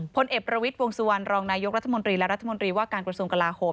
พลเอกประวิทย์วงสุวรรณรองนายกรัฐมนตรีและรัฐมนตรีว่าการกระทรวงกลาโหม